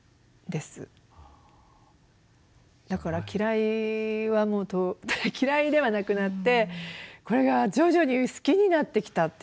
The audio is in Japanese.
だから嫌いは嫌いではなくなってこれが徐々に好きになってきたっていう感じがします。